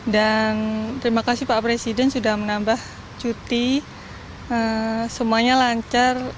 dan terima kasih pak presiden sudah menambah cuti semuanya lancar